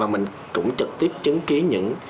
mình cũng trực tiếp chứng kiến những